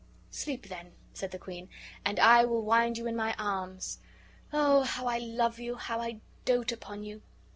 "Sleep, then," said the queen, "and I will wind you in my arms. Oh, how I love you! how I dote upon you!"